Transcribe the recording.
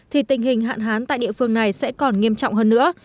thì tình hình hạn hán tại địa phương này sẽ còn nghiêm trọng hơn nữa